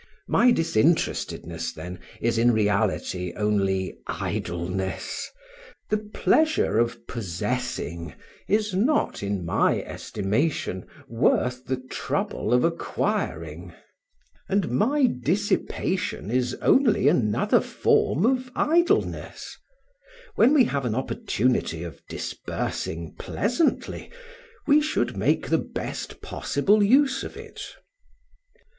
My disinterestedness, then, is in reality only idleness, the pleasure of possessing is not in my estimation worth the trouble of acquiring: and my dissipation is only another form of idleness; when we have an opportunity of disbursing pleasantly we should make the best possible use of it.